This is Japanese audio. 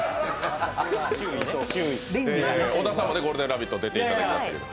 小田さんも「ゴールデンラヴィット！」出ていただきましたけども。